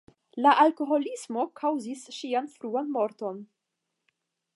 La alkoholismo kaŭzis ŝian fruan morton.